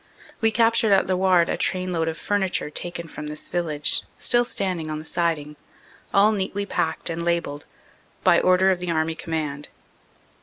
We captured at Lewarde a trainload of furniture taken from this village, still standing on the siding, all neatly packed and labelled, "By order of the Army Command."